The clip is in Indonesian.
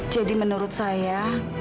jadi menurut saya